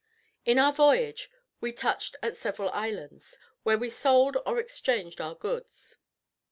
In our voyage we touched at several islands, where we sold or exchanged our goods.